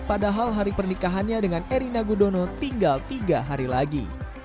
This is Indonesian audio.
padahal hari pernikahannya dengan erina gudono tinggal tiga hari lagi